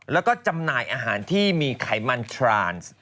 แล้วก็จำหน่ายอาหารที่มีไขมันทรานซ์